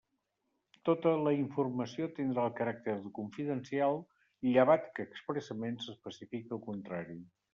Tota la informació tindrà el caràcter de confidencial llevat que expressament s'especifiqui el contrari.